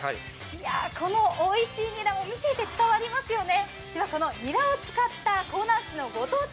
このおいしいニラ、見てて伝わりますよね。